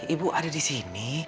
ibu ada di sini